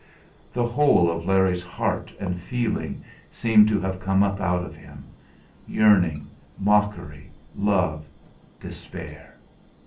The whole of Larry's heart and feeling seemed to have come up out of him. Yearning, mockery, love, despair!